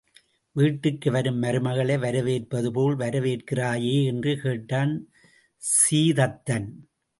வீட்டுக்கு வரும் மருமகளை வரவேற்பது போல் வரவேற்கிறாயே என்று கேட்டான் சீதத்தன்.